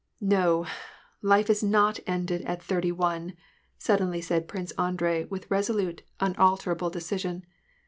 " No ! life is not ended at thirty one," suddenly said Prince Andrei with resolute, unalterable decision.